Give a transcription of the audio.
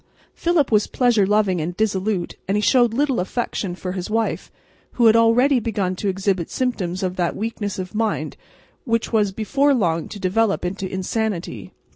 Philip was pleasure loving and dissolute, and he showed little affection for his wife, who had already begun to exhibit symptoms of that weakness of mind which was before long to develop into insanity.